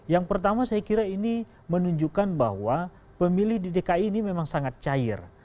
yang pertama saya kira ini menunjukkan bahwa pemilih di dki ini memang sangat cair